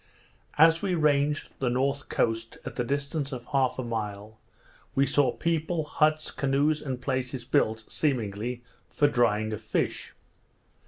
As we ranged the north coast, at the distance of half a mile, we saw people, huts, canoes, and places built, seemingly for drying of fish.